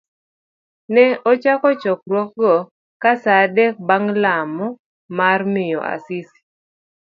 Ne ochak chokruogno sa adek bang' lamo mar miyo Sisi.